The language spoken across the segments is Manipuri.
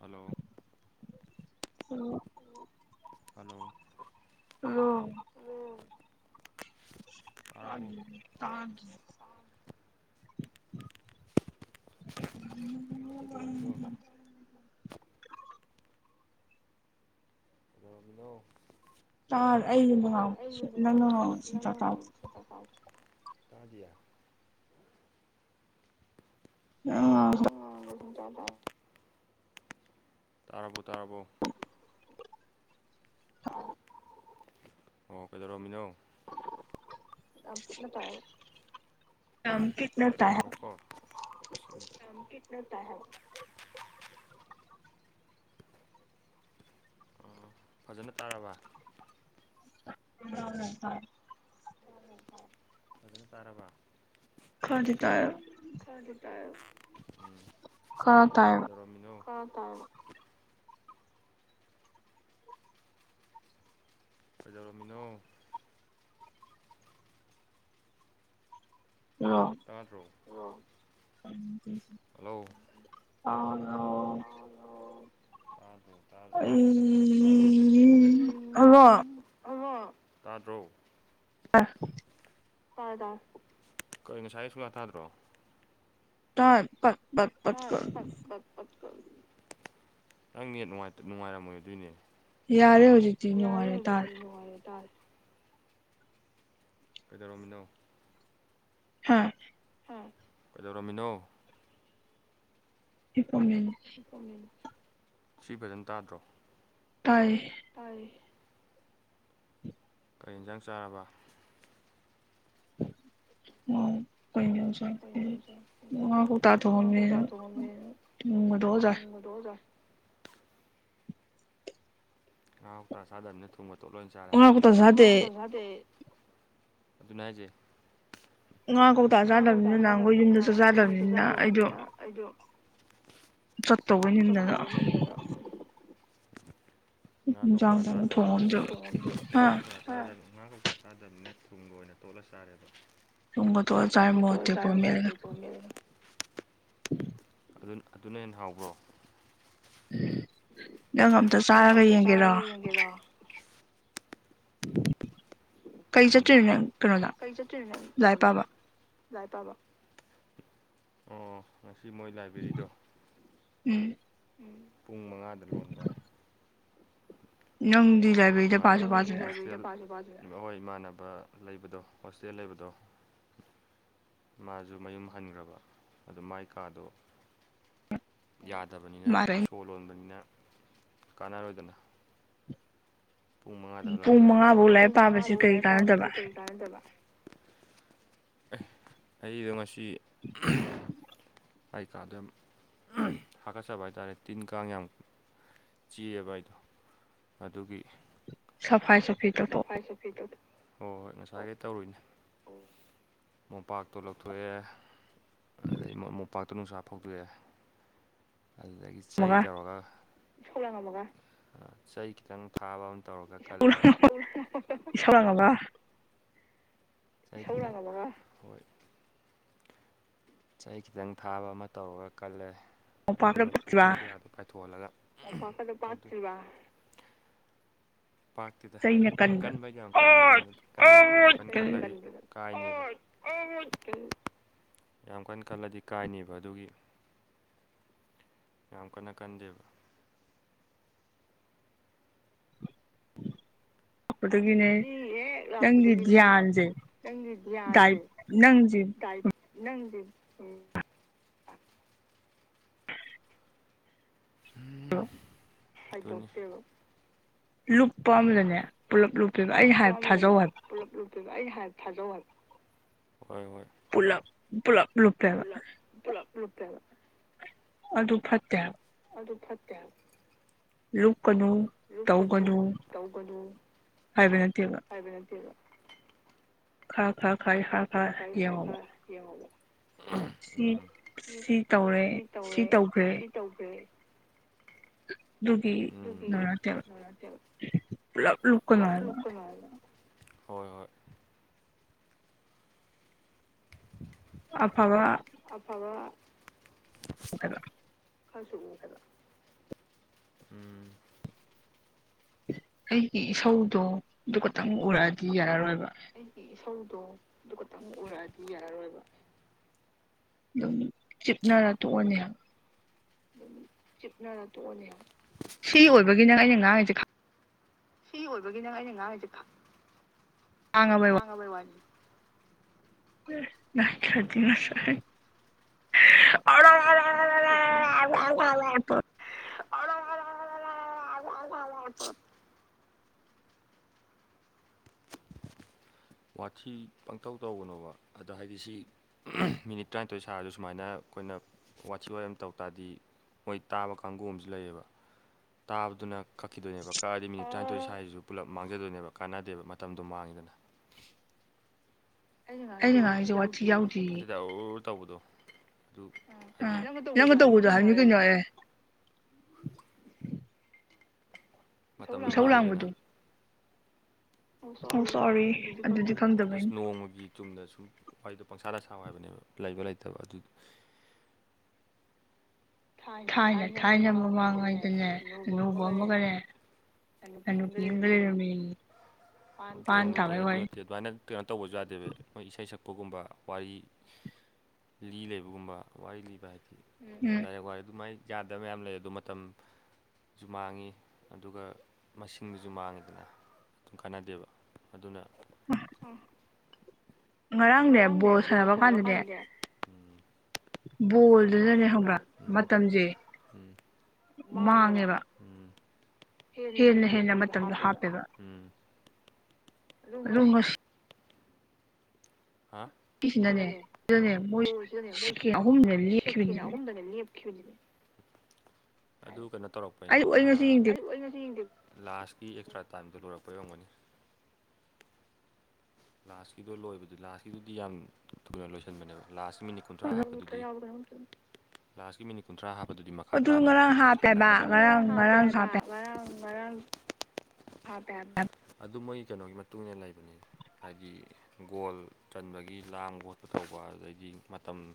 ꯍꯜꯂꯣ [unintelligible] ꯍꯜꯂꯣ ꯍꯜꯂꯣ ꯍꯜꯂꯣ ꯇꯥꯔꯕꯣ [inaudible] [inaudible] ꯀꯩꯗꯧꯔꯝꯃꯤꯅꯣ ꯀꯩꯗꯧꯔꯝꯃꯤꯅꯣ ꯇꯥꯔ ꯑꯩꯅ ꯉꯥꯡꯕꯗꯁꯨ ꯅꯪꯅ ꯉꯥꯡꯕ ꯁꯨꯡꯇꯥ ꯇꯥꯗꯦ ꯇꯥꯗꯤꯌꯦ ꯑꯥ [unintelligible] ꯇꯥꯔꯕꯣ ꯇꯥꯔꯕꯣ ꯑꯣ ꯀꯩꯗꯧꯔꯝꯃꯤꯅꯣ ꯌꯥꯝ ꯄꯤꯛꯅ ꯇꯥꯏꯕꯣ ꯌꯥꯝ ꯄꯤꯛꯅ ꯇꯥꯏ [inaudible] ꯑꯣ ꯐꯖꯅ ꯇꯥꯔꯕ [unintelligible] ꯐꯖꯅ ꯇꯥꯔꯕ ꯈꯔꯗꯤ ꯇꯥꯏꯌꯦꯕ ꯈꯔꯗꯤ ꯇꯥꯏꯌꯦ ꯈꯔ ꯇꯥꯏꯌꯦꯕ ꯀꯩꯗꯧꯔꯝꯃꯤꯅꯣ ꯈꯔ ꯇꯥꯥꯔꯦꯕ ꯀꯩꯗꯧꯔꯝꯃꯤꯅꯣ ꯇꯥꯗ꯭ꯔꯣ ꯍꯜꯂꯣ ꯇꯥꯗ꯭ꯔꯣ ꯍꯜꯂꯣ ꯇꯥꯗ꯭ꯔꯣ ꯇꯥꯗ꯭ꯔꯣ ꯑꯩ ꯍꯜꯂꯣ ꯎꯝ ꯇꯥꯗ꯭ꯔꯣ [unintelligible] ꯇꯥꯔꯦ ꯇꯥꯔꯦ ꯀꯩꯅꯣ ꯉꯁꯥꯏꯒꯩ ꯁꯨꯡꯇꯥ ꯇꯥꯗ꯭ꯔꯣ ꯇꯥ ꯄꯠ ꯄꯠ ꯄꯠ ꯇꯥꯏ ꯄꯠ ꯄꯠ ꯄꯠ ꯅꯪ ꯅꯦꯠ ꯅꯨꯡꯉꯥꯏꯇ ꯅꯨꯡꯉꯥꯏꯔꯝꯃꯣꯏ ꯑꯗꯨꯏꯅꯦ ꯌꯥꯔꯦ ꯍꯧꯖꯤꯛꯇꯤ ꯌꯥꯔꯦ ꯅꯨꯡꯉꯥꯏꯔꯦ ꯍꯧꯖꯤꯛꯇꯤ ꯇꯥꯔꯦ ꯅꯨꯡꯉꯥꯏꯔꯦ ꯇꯥꯔꯦ ꯀꯩꯗꯧꯔꯝꯃꯤꯅꯣ ꯍꯥꯥ ꯀꯩꯗꯧꯔꯝꯃꯤꯅꯣ ꯍꯤꯞꯄꯝꯃꯤꯅꯤ ꯁꯤ ꯐꯖꯟ ꯇꯥꯗ꯭ꯔꯣ ꯇꯥꯏꯌꯦ ꯇꯥꯏꯌꯦ ꯀꯩ ꯍꯤꯟꯖꯥꯡ ꯆꯥꯔꯕ ꯉꯥꯎ ꯀꯩꯅꯣ ꯉꯁꯥꯏ ꯉꯥ ꯀꯧꯇꯥ [inaudible] ꯊꯣꯡꯉꯝꯃꯦ ꯅꯣꯡꯃꯗꯣ ꯆꯥꯏ [inaudible] ꯉꯥ ꯀꯧꯇꯥ ꯆꯥꯗꯝꯅꯤꯅ ꯊꯨꯝꯒ ꯇꯣꯠꯂ ꯑꯣꯏ ꯆꯥꯔꯦ ꯉꯥ ꯀꯧꯇꯥ ꯆꯥꯗꯦ ꯑꯗꯨꯅꯦ ꯍꯥꯏꯖꯦ ꯉꯥ ꯀꯧꯇꯥ ꯉꯥ ꯆꯥꯗꯝꯅꯤꯅ ꯅꯍꯥꯟꯈꯣꯏ ꯆꯥꯗꯕꯅꯤꯅ ꯌꯨꯝꯗꯁꯨ ꯅꯍꯥꯟꯒꯣꯏ ꯌꯨꯝꯗ ꯆꯥꯛ ꯆꯥꯗꯝꯅꯤꯅ ꯑꯩꯗꯣ ꯆꯥꯗꯕꯅꯤꯅ ꯑꯩꯗꯣ ꯆꯠꯇꯧꯕꯩ ꯅꯤꯡꯗꯅ ꯆꯠꯇꯧꯕ ꯅꯤꯡꯗꯅ ꯉꯥ ꯀꯧꯇꯥ ꯏꯟꯖꯥꯡ ꯊꯣꯡꯕ ꯆꯥꯗꯥꯃꯤꯅ ꯉꯥ ꯊꯣꯡꯉꯝꯗ꯭ꯔꯕ ꯍꯥ ꯀꯧꯇꯥ ꯉꯥ ꯀꯧꯇꯥ ꯆꯥꯗꯕꯃꯤꯅ ꯊꯨꯝꯒ ꯑꯣꯏꯅ ꯇꯣꯠꯂ ꯆꯥꯔꯦꯕ ꯇꯨꯡꯒꯗ ꯆꯥꯏ ꯊꯨꯝꯒ ꯃꯣ ꯇꯣꯠꯂ ꯑꯇꯦꯛꯄ ꯆꯥꯔꯦ ꯃꯣꯔꯣꯛ ꯃꯦꯠꯂꯒ ꯇꯦꯛꯄ ꯑꯃ ꯃꯦꯠꯂꯒ ꯑꯗꯨꯅ ꯍꯦꯟꯅ ꯍꯥꯎꯕ꯭ꯔꯣ ꯅꯪ ꯑꯝꯇ ꯅꯪ ꯆꯥꯔꯒ ꯑꯝꯇ ꯌꯦꯡꯒꯦꯔꯣ ꯆꯥꯔꯒ ꯌꯦꯡꯒꯦꯔꯣ ꯀꯔꯤ ꯎꯝ ꯆꯠꯇ꯭ꯔꯤꯅꯣ ꯅꯪ ꯀꯩꯅꯣꯗ ꯀꯩ ꯆꯠꯇꯣꯏꯅꯣ ꯅꯪ ꯂꯥꯏ ꯀꯩꯅꯣꯗ ꯄꯥꯕ ꯑꯣ ꯉꯁꯤ ꯃꯣꯏ ꯂꯥꯏꯕ꯭ꯔꯦꯔꯤꯗꯣ ꯎꯝ ꯎꯝ ꯄꯨꯡ ꯃꯉꯥꯗ ꯂꯣꯟꯕ ꯅꯪꯗꯤ ꯑꯗꯨ ꯂꯥꯏꯕ꯭ꯔꯦꯔꯤꯗ ꯄꯥꯁꯨ ꯏꯃꯥꯟꯅꯕ ꯄꯥꯗꯅ ꯍꯣꯁꯇꯦꯜ ꯍꯣꯏ ꯏꯃꯥꯟꯅꯕ ꯂꯩꯕꯗꯣ ꯍꯣꯁꯇꯦꯜ ꯂꯩꯕꯗꯣ ꯃꯥꯁꯨ ꯃꯌꯨꯝ ꯍꯟꯈ꯭ꯔꯕ ꯑꯗꯨ ꯃꯥꯏ ꯀꯥꯗꯣ ꯌꯥꯗꯕꯅꯤꯅ ꯃꯥꯜꯂꯦ ꯁꯣ ꯂꯣꯟꯕꯅꯤꯅ ꯀꯥꯟꯅꯔꯣꯏꯗꯅ ꯄꯨꯡ ꯃꯉꯥꯗ ꯄꯨꯡ ꯍꯜꯂꯛꯄ ꯃꯉꯥꯐꯧ ꯂꯥꯏꯔꯤꯛ ꯄꯨꯡ ꯃꯉꯥ ꯄꯥꯕꯁꯤ ꯐꯧ ꯀꯔꯤ ꯂꯥꯏꯔꯤꯛ ꯄꯥꯕꯗꯤ ꯀꯥꯟꯅꯗꯕ ꯀꯔꯤ ꯇꯥꯗꯕ ꯑꯩꯗꯣ ꯉꯁꯤ ꯑꯩ ꯀꯥꯗ ꯌꯥꯝ ꯍꯥꯀꯠꯆꯕ ꯍꯥꯏꯇꯥꯥꯔꯦ ꯇꯤꯟ ꯀꯥꯡ ꯌꯥꯝ ꯆꯤꯌꯦꯕ ꯑꯩꯗꯣ ꯑꯗꯨꯒꯤ ꯁꯐꯥꯏ ꯁꯐꯤ ꯇꯧꯊꯣꯛꯑꯝꯃꯒ ꯁꯐꯥꯏ ꯁꯐꯤ ꯇꯧꯗ ꯍꯣꯏ ꯍꯣꯏ ꯉꯁꯥꯏꯈꯩ ꯇꯧꯔꯨꯏꯅꯦ ꯃꯣꯝꯄꯥꯛꯇꯣ ꯂꯧꯊꯣꯛꯑꯦ ꯑꯗꯩ ꯃꯣꯝꯄꯥꯛꯇꯨ ꯅꯨꯡꯁꯥ ꯐꯧꯗꯣꯛꯑꯦ ꯑꯗꯨꯗꯒꯤ ꯆꯩ ꯇꯧꯔꯒ ꯆꯩ ꯈꯤꯇꯪ ꯊꯥꯕ ꯑꯃ ꯇꯧꯔꯒ ꯈꯜꯂꯦ ꯏꯁꯧ ꯂꯥꯡꯉꯕ ꯢꯁꯧ ꯂꯥꯡꯉꯝꯃꯒ ꯆꯍꯤ ꯈꯤꯇꯪ ꯊꯥꯕ ꯑꯃ ꯇꯧꯔꯒ ꯀꯜꯂꯦ ꯃꯣꯝꯄꯥꯛꯅ ꯑꯗꯨꯒ ꯄꯠꯈꯤꯕ ꯎꯐꯨꯟ ꯀꯌꯥꯗ ꯀꯥꯏꯊꯣꯛꯍꯜꯂꯒ ꯑꯥꯢꯄꯀ ꯅꯨꯄꯥ ꯊꯤꯕ ꯄꯥꯇꯨꯗ ꯆꯩꯅ ꯀꯟꯕ ꯀꯟꯕꯒꯤ ꯌꯥꯝ ꯀꯟ ꯑꯣꯠ ꯀꯟꯕꯗꯤ ꯌꯥꯝ ꯑꯣꯠ ꯀꯟꯅ ꯀꯟ ꯀꯟꯂ ꯍꯣꯢ ꯑꯣꯢꯠ ꯌꯥꯝ ꯀꯟꯅ ꯀꯜꯂꯗꯤ ꯀꯥꯏꯅꯦꯕ ꯑꯗꯨꯒꯤ ꯌꯥꯝ ꯀꯟꯅ ꯀꯟꯗꯦꯕ ꯑꯗꯨꯒꯤꯅꯦ ꯁꯤ ꯅꯪꯒꯤꯗꯤꯌꯥꯥꯟꯁꯦ ꯆꯪꯗꯌꯥ ꯑꯜꯗꯦ ꯀꯥꯏ ꯅꯪꯗꯤ ꯎ ꯑ ꯍꯥꯏꯗꯣ ꯇꯦꯕ ꯂꯨꯞꯄ ꯑꯃꯗꯅꯦ ꯄꯨꯂꯞ ꯂꯨꯞꯄꯦꯕ ꯑꯩꯅ ꯍꯥꯏ ꯊꯥꯖꯧ ꯍꯥꯏꯕ ꯑꯩꯟ ꯍꯥꯢꯕ ꯊꯥꯖꯧ ꯍꯕ ꯄꯨꯂꯞ ꯄꯨꯂꯞ ꯂꯨꯄꯦꯕ ꯄꯨꯂꯞ ꯂꯨꯞꯄꯦꯕ ꯑꯗꯨ ꯑꯗꯨ ꯐꯠꯇꯦ ꯑꯗꯨ ꯐꯠꯇꯦꯕ ꯂꯨꯞ ꯂꯨꯄꯀꯅꯨ ꯇꯧꯒꯅꯨ ꯍꯥꯏꯕ ꯅꯠꯇꯦꯕ ꯍꯥꯏꯕ ꯅꯠꯇꯦꯕ ꯈꯥ [unintelligible] ꯌꯦꯡꯉꯣꯕ ꯁꯤ ꯎꯝ ꯏ ꯁꯤ ꯇꯧꯔꯦ ꯁꯤ ꯇꯧꯔꯦ ꯇꯧꯈ꯭ꯔꯦ ꯁꯤ ꯇꯧꯈ꯭ꯔꯦ ꯇꯨꯒꯤ ꯑꯗꯨꯒꯤ ꯂꯔ ꯃꯔꯛꯇ ꯄꯨꯂꯞ ꯂꯨꯞꯀꯅꯣ ꯄꯨꯂꯞ ꯍꯥꯢꯕ ꯂꯨꯞꯀꯅꯣꯅ ꯍꯣꯏ ꯍꯣꯏ ꯑꯐꯕ ꯑꯐꯕ [inaudible] [unintelligible] ꯎꯝ ꯑꯩꯒꯤ ꯏꯁꯧꯗꯣ ꯑꯗꯨ ꯈꯛꯇꯪ ꯎꯔꯛꯑꯗꯤ ꯌꯥꯔꯔꯣꯏꯕ ꯑꯩꯒꯤ ꯏꯁꯧꯗꯣ ꯑꯗꯨ ꯈꯛꯇꯪ ꯎꯔꯛꯑꯗꯤ ꯌꯥꯔꯔꯣꯏꯕ ꯑꯗꯨꯝ ꯆꯤꯞꯅꯔ ꯇꯣꯛꯑꯅꯤ ꯍꯥꯏꯕ ꯑꯗꯨꯝ ꯆꯤꯞꯅꯔ ꯇꯣꯛꯑꯅꯤ ꯁꯤ ꯑꯣꯏꯕꯒꯤ ꯅꯪ ꯑꯩꯅ ꯉꯥꯡꯉꯤꯁꯦ ꯈꯪ ꯁꯤ ꯑꯣꯏꯕꯒꯤ ꯅꯪ ꯑꯩꯅ ꯉꯥꯡꯉꯤꯁꯦ ꯈꯪ ꯈꯥꯡꯉꯕꯩ ꯋꯥꯅꯤ [unintelligible] ꯖꯤ [unintelligible] [unintelligible] ꯋꯥꯊꯤ ꯄꯪꯊꯧ ꯇꯧꯒꯅꯣꯕ ꯑꯗꯣ ꯍꯥꯏꯗꯤ ꯁꯤ ꯃꯤꯅꯤꯠ ꯇꯔꯥꯅꯤꯊꯣꯏ ꯁꯥꯔꯁꯨ ꯁꯨꯃꯥꯏꯅ ꯑꯩꯈꯣꯏꯅ ꯋꯥꯊꯤ ꯋꯥꯔꯦꯝ ꯇꯧ ꯇꯥꯔꯗꯤ ꯃꯣꯏ ꯇꯥꯕ ꯀꯥꯡꯕꯨ ꯑꯃꯁꯨ ꯂꯩꯌꯦꯕ ꯇꯥꯕꯗꯨꯅ ꯀꯛꯈꯤꯗꯣꯏꯅꯦꯕ ꯀꯛꯑꯗꯤ ꯃꯤꯅꯤꯠ ꯇꯔꯥꯅꯤꯊꯣꯏ ꯁꯥꯔꯤꯁꯤꯁꯨ ꯄꯨꯂꯞ ꯃꯥꯡꯖꯗꯣꯏꯅꯦꯕ ꯀꯥꯟꯅꯗꯦꯕ ꯃꯇꯝꯗꯣ ꯃꯥꯡꯉꯦꯗꯅ ꯑꯩꯅ ꯉꯥꯡꯉꯤꯁꯦ ꯋꯤꯊꯤ ꯌꯥꯎꯗꯤꯌꯦ ꯅꯠꯇꯦꯗ ꯑꯧ ꯑꯧ ꯑꯧ ꯇꯧꯕꯗꯣ ꯑꯥ ꯅꯪꯅ ꯇꯧꯕꯗꯣ ꯅꯪꯒ ꯍꯤꯏꯕꯅꯤ ꯀꯩꯅꯣ ꯍꯥꯏꯕꯅꯤ ꯑꯩ ꯑꯦ ꯃꯇꯝꯗꯣ ꯏꯁꯧ ꯃꯥꯡꯉꯦꯗꯅ ꯂꯥꯡꯕꯗꯣ [inaudible] ꯁꯣꯔꯤ ꯑꯗꯨꯗꯤ ꯈꯪꯗꯕꯩꯅꯤ ꯅꯣꯡꯃꯒꯤ ꯆꯨꯝꯅꯒꯤ ꯋꯥꯔꯤꯗꯣ ꯄꯪꯁꯥꯗ ꯁꯥꯎ ꯍꯥꯏꯕꯅꯦꯕ ꯂꯩꯕ ꯂꯩꯇꯕ ꯑꯗꯨ ꯊꯥꯏꯅ ꯊꯥꯏꯅ ꯃꯃꯥꯡꯉꯩꯗꯅꯦ ꯍꯅꯨꯕ ꯑꯃꯒꯅꯦ ꯍꯅꯨꯕꯤ ꯑꯃꯒ ꯂꯩꯔꯝꯃꯦꯌꯦ ꯠꯇ ꯄꯥꯟ ꯅꯠꯇꯦ ꯊꯥꯕꯩ ꯑꯗꯨ ꯋꯥꯔꯤ ꯅꯠꯇꯦ ꯑꯗꯨꯃꯥꯏꯅ ꯀꯩꯅꯣ ꯇꯧꯕꯁꯨ ꯌꯥꯗꯦꯕ ꯃꯣꯏ ꯏꯁꯩ ꯁꯛꯄ ꯎꯄꯒꯨꯝꯕ ꯋꯥꯔꯤ ꯂꯤ ꯂꯩꯕꯒꯨꯝꯕ ꯋꯥꯔꯤ ꯂꯤꯕ ꯍꯥꯏꯗꯤ ꯎꯝ ꯎꯝ ꯗꯥꯏꯔꯦꯛ ꯋꯥꯔ ꯑꯗꯨꯃꯥꯏꯅ ꯌꯥꯗꯕ ꯃꯌꯥꯝ ꯂꯩ ꯑꯗꯣ ꯃꯇꯝ ꯁꯨ ꯃꯥꯡꯉꯤ ꯑꯗꯨꯒ ꯃꯁꯤꯡꯗꯨꯁꯨ ꯃꯥꯡꯉꯤꯗꯅ ꯑꯗꯨꯝ ꯀꯥꯟꯅꯗꯦꯕ ꯑꯗꯨꯅ ꯑꯣ ꯉꯔꯥꯡꯅꯦ ꯕꯣꯜ ꯁꯥꯟꯅꯕ ꯀꯥꯟꯗꯅꯦ ꯕꯣꯜꯗꯨꯅꯅꯦ ꯕꯣꯜꯗꯨꯗꯅꯦ ꯈꯪꯕ꯭ꯔ ꯈꯪꯕ꯭ꯔꯥ ꯃꯇꯝꯁꯦ ꯃꯥꯡꯉꯦꯕ ꯎꯝ ꯍꯦꯟꯅ ꯍꯦꯟꯅ ꯃꯇꯝꯗꯣ ꯍꯥꯞꯄꯦꯕ ꯎꯝ ꯑꯗꯨ ꯑꯗꯣ ꯉꯁꯤ ꯍꯥ ꯉꯁꯤꯁꯤꯅꯅꯦ ꯁꯤꯗꯅꯦ ꯃꯣꯏ ꯕꯣꯜꯁꯤꯅꯅꯦ ꯃꯣꯏ ꯁꯦꯀꯦꯟ ꯑꯍꯨꯝꯅꯦ ꯁꯦꯀꯦꯟ ꯂꯦꯞꯈꯤꯕꯅꯦꯕ ꯑꯍꯨꯝꯗꯅꯦ ꯂꯦꯞ ꯈꯤꯕꯅꯤ ꯑꯗꯨ ꯀꯩꯅꯣ ꯇꯧꯔꯛꯄꯩꯅꯤ ꯑꯩ ꯑꯩ ꯉꯁꯤ ꯑꯥ ꯌꯦꯡꯗꯦ [unintelligible] ꯂꯥꯁꯀꯤ ꯑꯦꯛꯁꯇ꯭ꯔꯥ ꯇꯥꯏꯝꯗꯣ ꯂꯣꯏꯔꯛꯄꯩ ꯑꯣꯏꯔꯝꯒꯅꯤ ꯂꯥꯁꯀꯤꯗꯣ ꯂꯣꯏꯕꯗꯨ ꯂꯥꯁꯀꯤꯗꯨꯗꯤ ꯌꯥꯝ ꯊꯨꯅ ꯂꯣꯏꯁꯤꯟꯕꯅꯦꯕ ꯂꯥꯁꯀꯤ ꯃꯤꯅꯤꯠ ꯀꯨꯟꯊ꯭ꯔ ꯍꯥꯄ ꯂꯥꯁꯀꯤ ꯃꯤꯅꯤꯨꯟ꯭ꯔ ꯍꯥꯞ ꯄꯗꯨꯗꯤ ꯃꯈꯥ ꯑꯗꯨ ꯇꯥꯅ ꯉꯔꯥꯡ ꯍꯥꯞꯄꯦꯕ ꯁꯥꯟꯅꯍꯟꯗꯕꯅꯤ ꯑꯗꯨ ꯉꯔꯥꯡ ꯍꯥꯞꯄꯦ ꯉꯔꯥꯡꯁꯨ ꯍꯥꯏꯕ ꯍꯥꯞ ꯉꯔꯥꯡ ꯥꯉꯔꯥꯡ ꯍꯥꯞꯄꯦ ꯍꯤꯏꯕ ꯑꯗꯨ ꯃꯣꯏ ꯀꯩꯅꯣꯒꯤ ꯃꯇꯨꯡ ꯏꯟꯅ ꯂꯩꯕꯅꯦ ꯍꯥꯏꯗꯤ ꯒꯣꯜ ꯆꯟꯕꯒꯤ ꯂꯥꯡꯕ ꯈꯣꯠꯄ ꯇꯧꯕ ꯑꯗꯨꯗꯩꯗꯤ ꯃꯇꯝ [inaudible]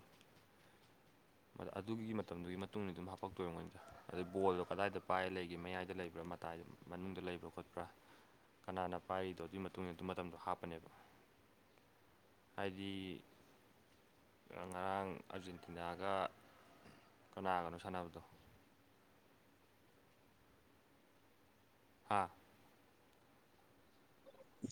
ꯑꯗꯨꯒꯤ ꯃꯇꯝꯗꯨꯒꯤ ꯃꯇꯨꯡ ꯏꯟꯅ ꯑꯗꯨꯝ ꯍꯥꯞꯄꯛꯇꯣꯏ ꯑꯣꯏꯔꯝꯒꯅꯤ ꯑꯗꯩ ꯕꯣꯜꯗꯣ ꯀꯗꯥꯏꯗ ꯄꯥꯏꯔꯒ ꯂꯩꯒꯦ ꯃꯌꯥꯏꯗ ꯂꯩꯕ꯭ꯔꯥꯕ ꯃꯇꯥꯏꯗꯨ ꯃꯅꯨꯡꯗ ꯂꯩꯕ꯭ꯔꯥ ꯈꯣꯠꯄ꯭ꯔꯥ ꯀꯅꯥꯅ ꯄꯥꯏꯔꯤꯗꯣ ꯑꯗꯨꯒꯤ ꯃꯇꯨꯡ ꯏꯟꯅ ꯑꯗꯨ ꯃꯇꯝꯗꯣ ꯍꯥꯞꯄꯅꯦꯕ ꯍꯥꯏꯗꯤ ꯉꯔꯥꯡ ꯑꯥꯔꯖꯦꯟꯇꯤꯅꯥ ꯒ ꯀꯅꯥꯒꯅꯣ ꯁꯥꯟꯅꯕꯗꯣ ꯍꯥꯥ